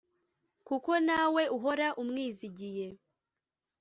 kuko nawe uhora umwizihiye!